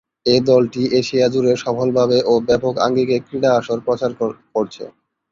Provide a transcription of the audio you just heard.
এ দলটি এশিয়া জুড়ে সফলভাবে ও ব্যাপক আঙ্গিকে ক্রীড়া আসর প্রচার করছে।